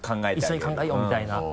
「一緒に考えよう」みたいな。